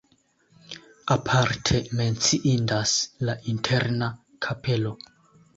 Aparte menciindas la interna kapelo.